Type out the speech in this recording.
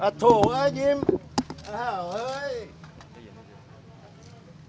ไอ้ปะถูกเฮ้ยจิมอ้าวเฮ้ย